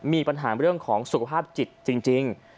มีปัญหาเรื่องของสุขภาพจิตจริง